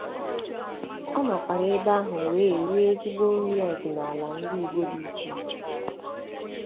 A nọkwara ebe ahụ wee rie ezigbo nri ọdịnala ndị Igbo dị iche iche